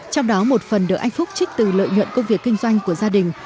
trong đó một phần được anh phúc trích từ lợi nhuận công việc kinh doanh của gia đình